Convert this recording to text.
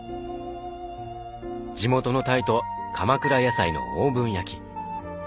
地元のタイと鎌倉野菜のオーブン焼き。